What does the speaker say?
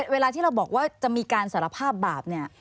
เวลาที่เราบอกว่าจะมีการสารภาพบาปเนี่ย